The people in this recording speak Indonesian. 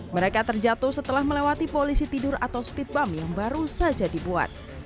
mereka terjatuh setelah melewati polisi tidur atau speed bump yang baru saja dibuat